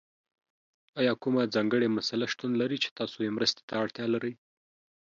ایا کومه ځانګړې مسله شتون لري چې تاسو یې مرستې ته اړتیا لرئ؟